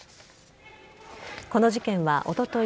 この事件はおととい